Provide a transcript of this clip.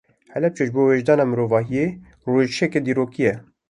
Helepçe ji bo wijdana mirovahiyê rûreşiyeke dîrokî ye.